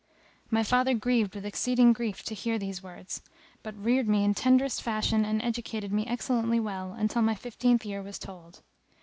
My father grieved with exceeding grief to hear these words; but reared me in tenderest fashion and educated me excellently well until my fifteenth year was told.